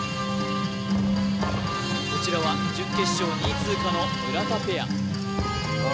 こちらは準決勝２位通過の村田ペアあ